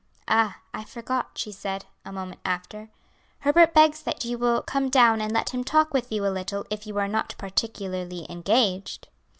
"Ah, I forgot," she said, a moment after; "Herbert begs that you will come down and let him talk with you a little if you are not particularly engaged."